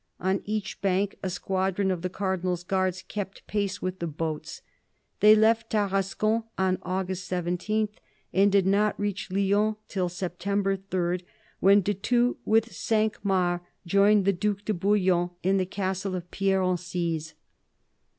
On each bank a squadron of the Cardinal's guards kept pace with the boats. They left Tarascon on August 17, and did not reach Lyons till September 3, when de Thou, with Cinq Mars, joined the Due de Bouillon in the castle of Pierre Encise.